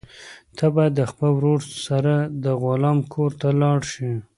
ته باید د خپل ورور سره د غلام کور ته لاړ شې.